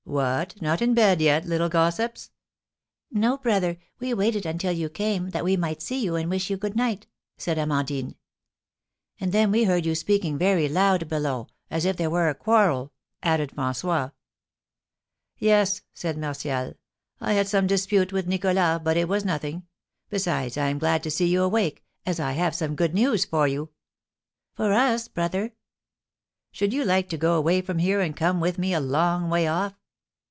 "What! Not in bed yet, little gossips?" "No, brother, we waited until you came, that we might see you, and wish you good night," said Amandine. "And then we heard you speaking very loud below, as if there were a quarrel," added François. "Yes," said Martial, "I had some dispute with Nicholas, but it was nothing. Besides, I am glad to see you awake, as I have some good news for you." "For us, brother?" "Should you like to go away from here, and come with me a long way off?"